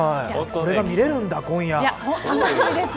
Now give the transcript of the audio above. これが見れるんだ今夜。